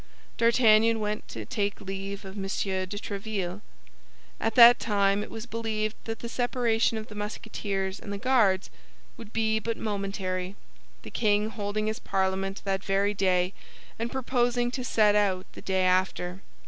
D'Artagnan went to take leave of M. de Tréville. At that time it was believed that the separation of the Musketeers and the Guards would be but momentary, the king holding his Parliament that very day and proposing to set out the day after.